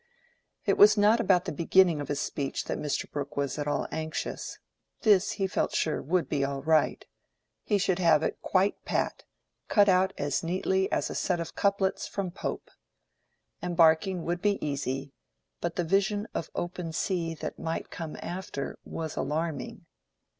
It was not about the beginning of his speech that Mr. Brooke was at all anxious; this, he felt sure, would be all right; he should have it quite pat, cut out as neatly as a set of couplets from Pope. Embarking would be easy, but the vision of open sea that might come after was alarming.